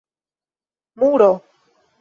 muro